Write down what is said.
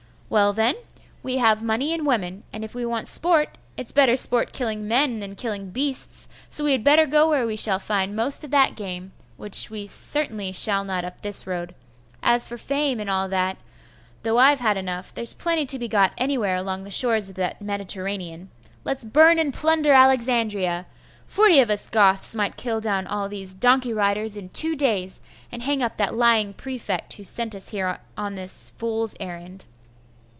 Well, then, we have money and women; and if we want sport, it's better sport killing men than killing beasts; so we had better go where we shall find most of that game, which we certainly shall not up this road. As for fame and all that, though I've had enough, there's plenty to be got anywhere along the shores of that Mediterranean. Let's burn and plunder Alexandria: forty of us Goths might kill down all these donkey riders in two days, and hang up that lying prefect who sent us hereon this fool's errand.